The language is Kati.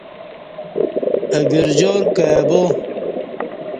اہ گرجار کائ با